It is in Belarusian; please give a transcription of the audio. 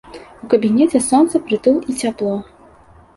У кабінеце сонца, прытул і цяпло.